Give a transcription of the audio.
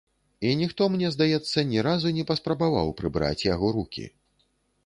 І ніхто, мне здаецца, ні разу не паспрабаваў прыбраць яго рукі.